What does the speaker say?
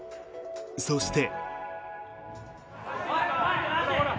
そして。